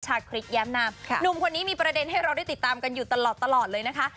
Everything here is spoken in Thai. คริสแย้มนามหนุ่มคนนี้มีประเด็นให้เราได้ติดตามกันอยู่ตลอดเลยนะคะ